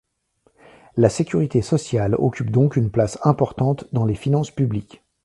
La sécurité sociale occupe donc une place importante dans les finances publiques.